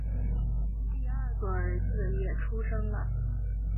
第二个儿子也出生了